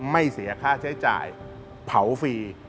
ไม่เสียค่าใช้จ่ายเผาฟรี